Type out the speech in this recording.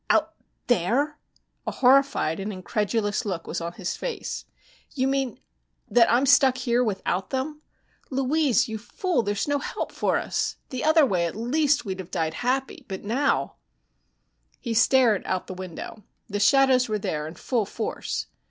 "Out there?" A horrified and incredulous look was on his face. "You mean that I'm stuck here without them? Louise, you fool, there's no help for us! The other way, at least, we'd have died happy. But now " He stared out the window. The shadows were there in full force.